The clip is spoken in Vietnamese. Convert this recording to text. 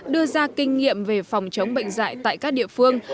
đưa ra kinh nghiệm về phòng chống bệnh dạy tại các địa phương